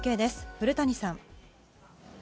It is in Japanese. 古谷さん。